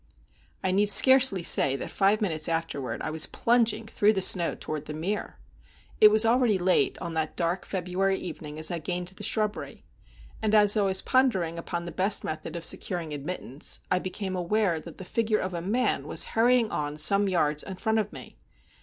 I need scarcely say that five minutes afterward I was plunging through the snow toward The Mere. It was already late on that dark February evening as I gained the shrubbery; and as I was pondering upon the best method of securing admittance, I became aware that the figure of a man was hurrying on some yards in front of me.